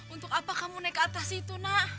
untuk apa kamu naik ke atas itu nak